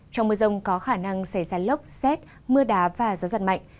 trong mưa rông có khả năng xảy ra lốc xét mưa đá và gió giật mạnh